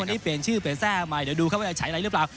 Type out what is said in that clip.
วันนี้เปลี่ยนชื่อเปลี่ยนแทร่ใหม่เดี๋ยวดูครับว่าจะใช้อะไรหรือเปล่า